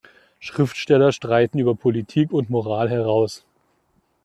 Schriftsteller streiten über Politik und Moral" heraus.